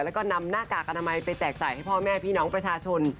แล้วก็นำหน้ากากอนามัยไปแจกจ่ายให้พ่อแม่พี่น้องประชาชน